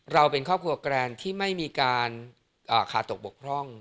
เราเป็นครอบครัวแกรนที่ไม่มีการขาดตกบกพร่อง